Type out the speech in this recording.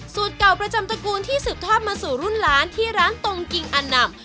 เก่าประจำตระกูลที่สืบทอดมาสู่รุ่นล้านที่ร้านตรงกิงอันนำ